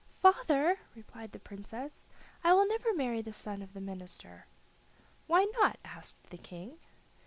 "Father," replied the Princess, "I will never marry the son of the minister." "Why not?" asked the King.